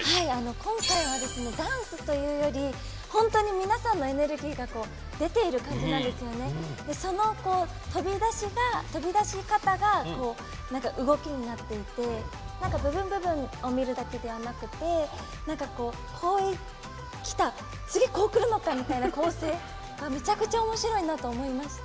今回はダンスというより本当に皆さんのエネルギーが出ている感じでそのはみ出しが、飛び出し方が動きになっていて部分、部分を見るだけではなくてこうきた、次はこうくるのかみたいな構成がめちゃくちゃおもしろいなと思いました。